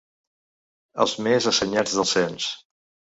Els més assenyats del cens.